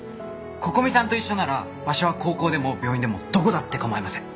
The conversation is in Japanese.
心美さんと一緒なら場所は高校でも病院でもどこだって構いません。